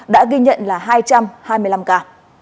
đã ghi nhận là hai trăm hai mươi năm ca